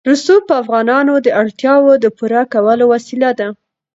رسوب د افغانانو د اړتیاوو د پوره کولو وسیله ده.